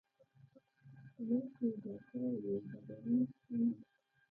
په منځ کې ویجاړ شوی و، ډبرین ستون یې.